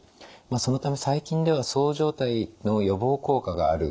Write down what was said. そのため最近ではそう状態の予防効果がある薬